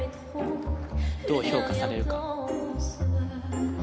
どう評価されるか。